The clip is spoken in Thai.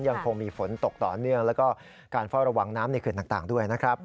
ยังคงมีฝนตกต่อเนื่องแล้วก็การเฝ้าระวังน้ำในเขื่อนต่างด้วยนะครับ